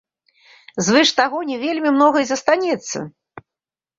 Звыш таго не вельмі многа і застанецца.